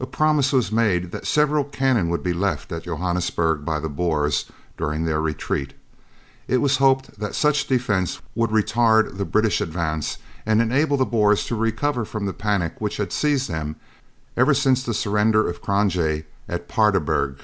A promise was made that several cannon would be left at Johannesburg by the Boers during their retreat. It was hoped that such defence would retard the British advance and enable the Boers to recover from the panic which had seized them ever since the surrender of Cronjé at Paardeberg.